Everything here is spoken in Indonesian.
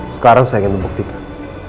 sekarang saya ingin membuktikan